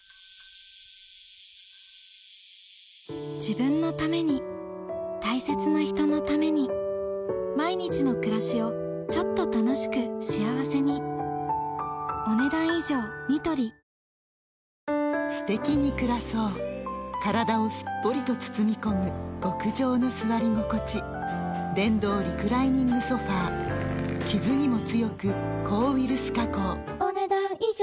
自分のために大切な人のために毎日の暮らしをちょっと楽しく幸せにすてきに暮らそう体をすっぽりと包み込む極上の座り心地電動リクライニングソファ傷にも強く抗ウイルス加工お、ねだん以上。